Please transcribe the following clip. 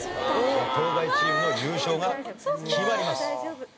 東大チームの優勝が決まります。